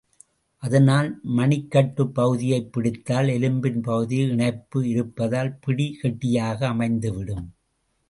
அதனால் மணிக்கட்டுப் பகுதியைப் பிடித்தால் எலும்பின் பகுதி இணைப்பு இருப்பதால், பிடி கெட்டியாக அமைந்துவிடும்.